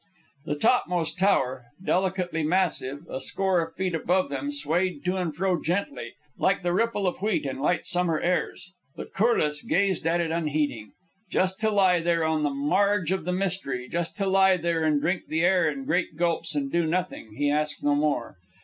The topmost tower, delicately massive, a score of feet above them, swayed to and fro, gently, like the ripple of wheat in light summer airs. But Corliss gazed at it unheeding. Just to lie there, on the marge of the mystery, just to lie there and drink the air in great gulps, and do nothing! he asked no more.